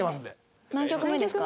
何曲目ですか？